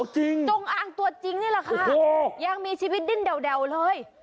จงอางตัวจริงนี่แหละค่ะยังมีชีวิตดิ้นแด่วเลย